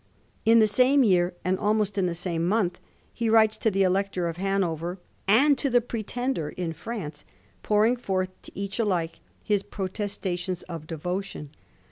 In the same year, and almost in the same month, he writes to the Elector at Hanover and to the Pretender m France, pouring forth to each alike his protestations of devotion.